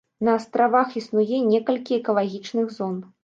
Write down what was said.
На астравах існуе некалькі экалагічных зон.